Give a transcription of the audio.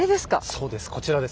そうですこちらです。